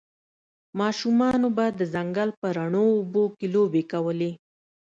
ماشومانو به د ځنګل په روڼو اوبو کې لوبې کولې